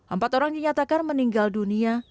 empat orang dinyatakan meninggal dunia